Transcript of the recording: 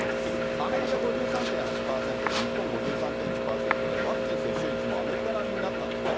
アメリカ５３．８％で、日本５３．１％で、ワクチン接種率もアメリカ並みになったんですね。